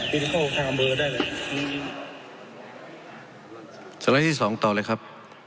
ทีนี้เข้าหามือได้เลยอืมสำหรับที่สองต่อเลยครับ